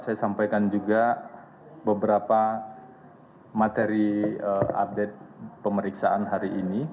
saya sampaikan juga beberapa materi update pemeriksaan hari ini